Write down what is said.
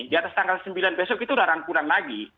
di atas tanggal sembilan besok itu sudah rangkuran lagi